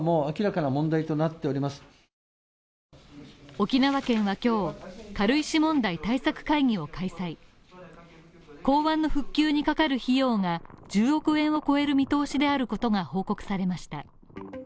沖縄県は今日軽石問題対策会議を開催、港湾の復旧にかかる費用が１０億円を超える見通しであることが報告されました。